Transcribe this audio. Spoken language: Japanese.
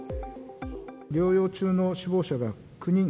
療養中の死亡者が９人。